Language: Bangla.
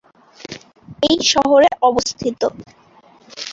এই শহরে অবস্থিত।